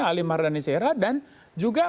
ali mardani sera dan juga